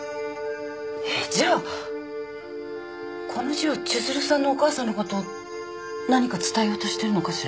えっじゃあこの字は千鶴さんのお母さんのこと何か伝えようとしてるのかしら。